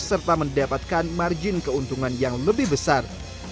serta mendapatkan margin keuntungan yang lebih besar